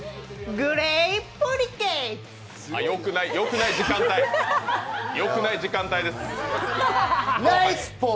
よくない、よくない時間帯です。